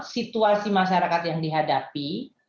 situasi masyarakat yang dihadapi